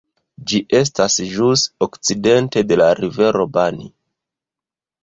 Ĝi estas ĵus okcidente de la Rivero Bani.